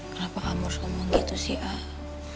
kenapa kamu harus ngomong gitu sih ah